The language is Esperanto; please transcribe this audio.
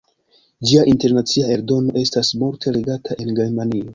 Ĝia internacia eldono estas multe legata en Germanio.